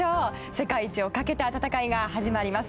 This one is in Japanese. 世界一を懸けた戦いが始まります。